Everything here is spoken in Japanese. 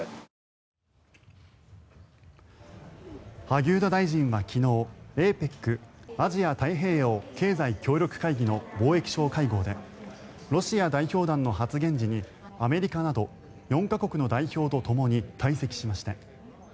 萩生田大臣は昨日ＡＰＥＣ・アジア太平洋経済協力の貿易相会合でロシア代表団の発言時にアメリカなど４か国の代表とともに退席しました。